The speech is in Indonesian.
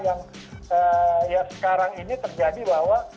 yang sekarang ini terjadi bahwa